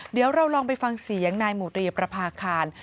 เดี๋ยวเราลองไปฟังเสียงนายหมู่เรียประพาคาร